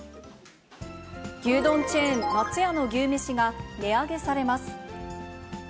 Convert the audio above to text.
牛丼チェーン、松屋の牛めしが値上げされます。